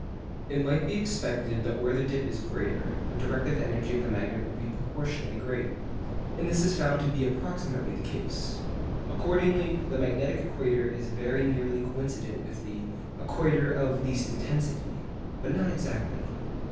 It might be expected that where the dip is greater, the directive energy of the magnet would be proportionately great. And this is found to be approximately the case. Accordingly, the magnetic equator is very nearly coincident with the 'equator of least intensity,' but not exactly.